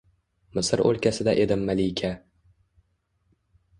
Misr o’lkasida edim malika